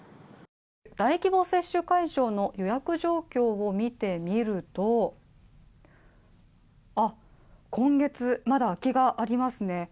大規模接種会場の予約状況を見てみると、今月、まだ空きがありますね。